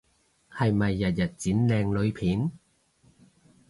係咪日日剪靚女片？